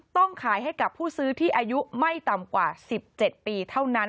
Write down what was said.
ต้องขายให้กับผู้ซื้อที่อายุไม่ต่ำกว่า๑๗ปีเท่านั้น